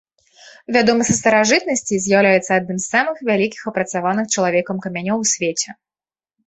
Вядомы са старажытнасці, з'яўляецца адным з самых вялікіх апрацаваных чалавекам камянёў у свеце.